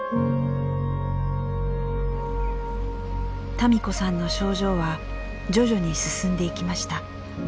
多美子さんの症状は徐々に進んでいきました。